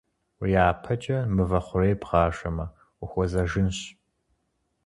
Уи япэкӀэ мывэ хъурей бгъажэмэ ухуэзэжынщ.